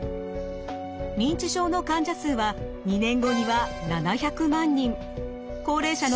認知症の患者数は２年後には７００万人。